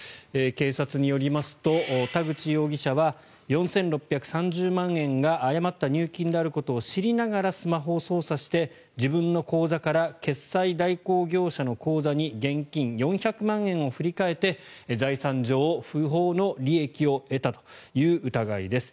警察によりますと田口容疑者は４６３０万円が誤った入金であることを知りながらスマホを操作して自分の口座から決済代行業者の口座に現金４００万円を振り替えて財産上、不法の利益を得たという疑いです。